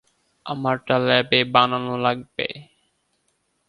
আমারটা ল্যাবে বানানো লাগে।